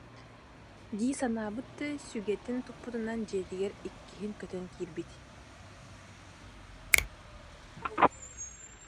дии санаабыт да, сүгэтин туппутунан дьиэтигэр иккиһин көтөн киирбит